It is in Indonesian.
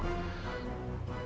aku juga nggak akan menyesal